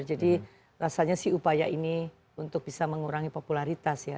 jadi rasanya sih upaya ini untuk bisa mengurangi popularitas ya